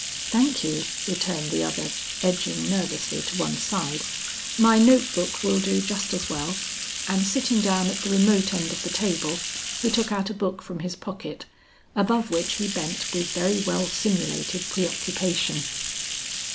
"Thank you," returned the other, edging nervously to one side, "my note book will do just as well," and sitting down at the remote end of the table, he took out a book from his pocket, above which he bent with very well simulated preoccupation.